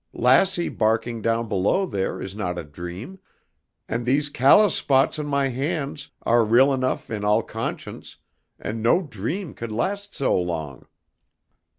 Lassie barking down below there is not a dream; and these callous spots on my hands are real enough in all conscience, and no dream could last so long.